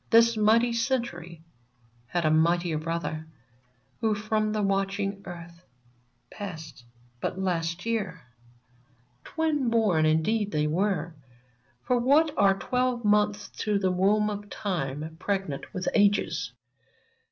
This mighty Century had a mightier brother, Who from the watching earth Passed but last year ! Twin born indeed were they — For what are twelve months to the womb of time Pregnant with ages